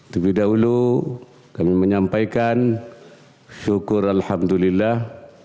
terlebih dahulu kami menyampaikan syukur alhamdulillah